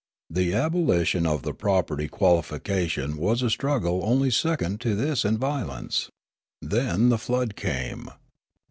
The abolition of the property qualification was a struggle only second to this in its violence. Then the flood came.